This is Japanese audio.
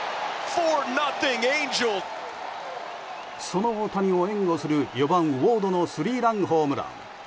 その大谷を援護する４番ウォードのスリーランホームラン。